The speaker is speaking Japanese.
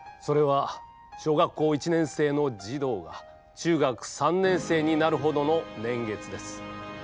それは小学校１年生の児童が中学３年生になるほどの年月です。